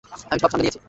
আমি সব সামলে নিয়েছি।